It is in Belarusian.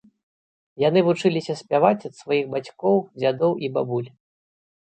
Яны вучыліся спяваць ад сваіх бацькоў, дзядоў і бабуль.